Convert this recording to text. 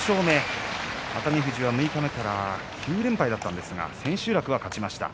富士は六日目から９連敗だったんですが千秋楽は勝ちました。